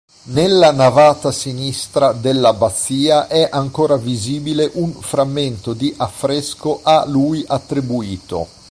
Nella navata sinistra dell'Abbazia è ancora visibile un frammento di affresco a lui attribuito.